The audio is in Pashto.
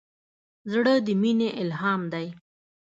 زړه د مینې الهام دی.